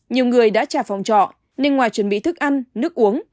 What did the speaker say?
nhiều người đã trả phòng trọ nên ngoài chuẩn bị thức ăn nước uống